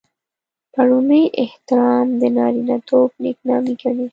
د پړوني احترام د نارينه توب نېکنامي ګڼي.